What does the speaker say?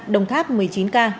đồng tháp một mươi chín ca